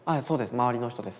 周りの人です。